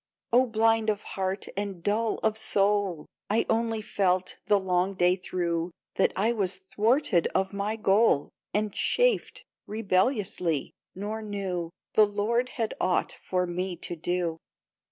" Oh, blind of heart and dull of soul ! I only felt, the long day through, That I was thwarted of my goal, And chafed rebelliously, nor knew The Lord had aught for me to do